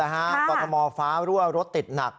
ต่อทะมอฟ้ารั่วรถติดหนัก